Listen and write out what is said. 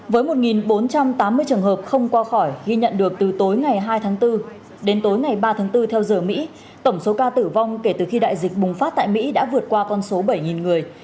với một bốn trăm tám mươi trường hợp không qua khỏi ghi nhận được từ tối ngày hai tháng bốn đến tối ngày ba tháng bốn theo giờ mỹ tổng số ca tử vong kể từ khi đại dịch bùng phát tại mỹ đã vượt qua con số bảy người